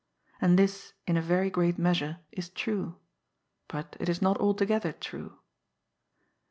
And this in a very great measure is true; but it is not altogether true.